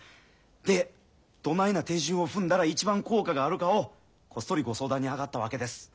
でどないな手順を踏んだら一番効果があるかをこっそりご相談にあがったわけです。